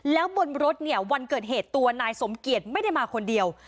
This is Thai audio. แล้วบนรถเนี่ยวันเกิดเหตุตัวนายสมเกียจไม่ได้มาคนเดียว